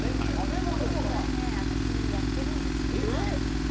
これね、私やってるんですよ。